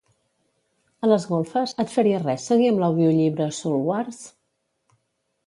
A les golfes, et faria res seguir amb l'audiollibre Soulwars?